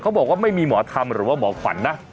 บอกว่าไม่มีหมอธรรมหรือว่าหมอขวัญนะ